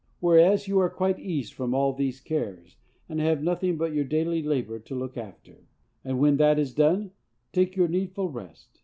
Whereas, you are quite eased from all these cares, and have nothing but your daily labor to look after and, when that is done, take your needful rest.